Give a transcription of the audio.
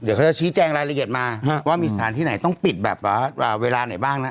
เดี๋ยวเขาจะชี้แจงรายละเอียดมาว่ามีสารที่ไหนต้องปิดแบบเวลาไหนบ้างนะ